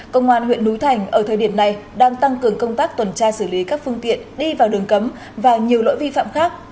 công an huyện núi thành ở thời điểm này đang tăng cường công tác tuần tra xử lý các phương tiện đi vào đường cấm và nhiều lỗi vi phạm khác